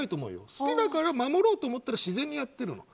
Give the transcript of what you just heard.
好きだから守ろうと思ったら自然でやっているの。